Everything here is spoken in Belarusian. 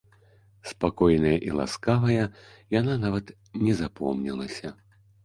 Спакойная і ласкавая, яна нават не запомнілася.